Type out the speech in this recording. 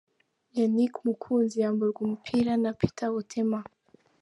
Yannick Mukunzi yamburwa umupira na Peter Otema.